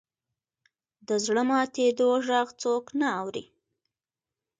د زړه ماتېدو ږغ څوک نه اوري.